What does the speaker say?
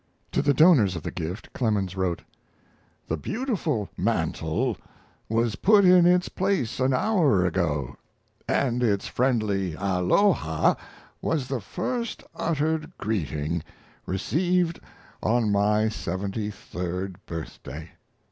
To the donors of the gift Clemens wrote: The beautiful mantel was put in its place an hour ago, & its friendly "Aloha" was the first uttered greeting received on my 73d birthday.